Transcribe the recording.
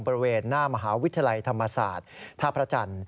บริเวณหน้ามหาวิทยาลัยธรรมศาสตร์ท่าพระจันทร์